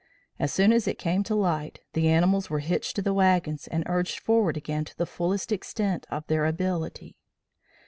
As soon as it came to light, the animals were hitched to the wagons and urged forward again to the fullest extent of their ability.